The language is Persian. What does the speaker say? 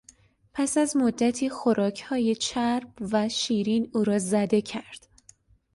پس از مدتی خوراکهای چرب و شیرین او را زده کرد.